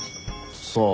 さあ。